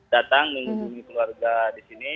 datang mengunjungi keluarga di sini